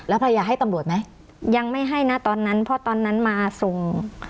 ภรรยาให้ตำรวจไหมยังไม่ให้นะตอนนั้นเพราะตอนนั้นมาส่ง